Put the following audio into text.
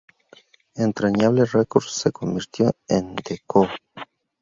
Entrañable Records se convirtió en The Co.